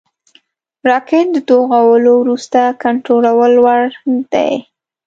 راکټ د توغولو وروسته د کنټرول وړ دی